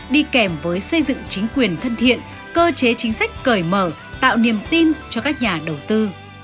đi kèm với xây dựng chính quyền thân thiện cơ chế chính sách cởi mở tạo niềm tin cho các nhà đầu tư